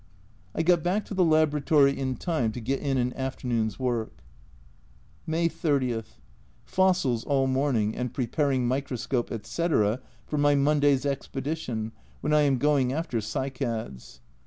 I got back to the laboratory in time to get in an afternoon's work. May 30. Fossils all morning and preparing microscope, etc. for my Monday's expedition, when I am going after cycads.